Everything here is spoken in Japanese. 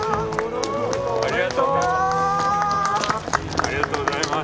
ありがとうございます。